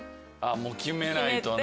もう決めないとね。